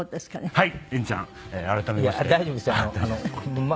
はい。